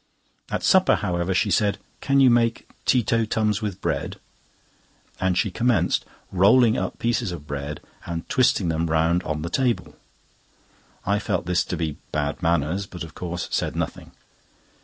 At supper, however, she said: "Can you make tee to tums with bread?" and she commenced rolling up pieces of bread, and twisting them round on the table. I felt this to be bad manners, but of course said nothing.